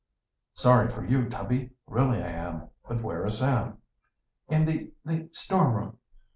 "Sorry for you, Tubby, really I am. But where is Sam?" "In the the storeroom.